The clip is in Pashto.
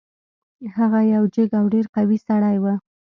هغه یو جګ او ډیر قوي سړی و.